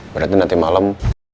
berarti nanti malam